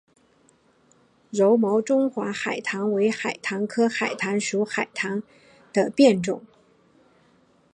柔毛中华秋海棠为秋海棠科秋海棠属秋海棠的变种。